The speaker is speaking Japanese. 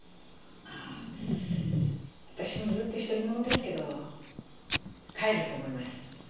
ああたしもずっと独り者ですけど飼えると思います。